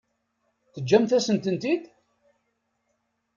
Teǧǧamt-asen-tent-id?